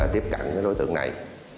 tiếp cạnh với đối tượng này